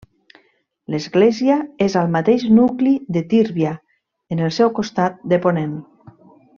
L'església és al mateix nucli de Tírvia, en el seu costat de ponent.